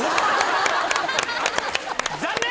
・残念！